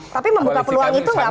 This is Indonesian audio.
tapi membuka peluang itu nggak